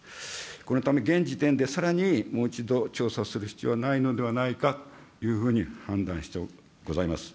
このため、現時点でさらにもう一度調査する必要はないのではないかというふうに判断してございます。